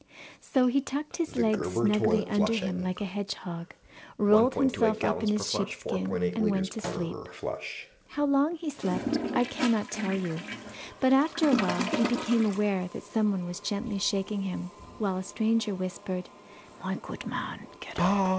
So he tucked his legs snugly under him like a hedgehog, rolled himself up in his sheepskin, and went to sleep. How long he slept, I cannot tell you, but after awhile he became aware that some one was gently shaking him, while a stranger whispered, 'My good man, get up!